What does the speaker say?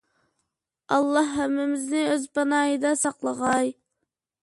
ئاللاھ ھەممىمىزنى ئۆز پاناھىدا ساقلىغاي!